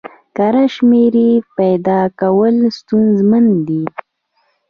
کره شمېرې پیدا کول ستونزمن دي.